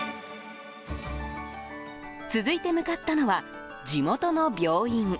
続いて向かったのは地元の病院。